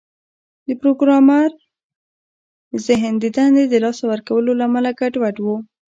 د پروګرامر ذهن د دندې د لاسه ورکولو له امله ګډوډ و